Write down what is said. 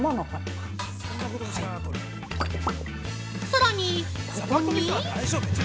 ◆さらに、ここに？